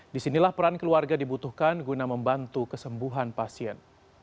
disinilah peran keluarga dibutuhkan guna membantu kesembuhan pasien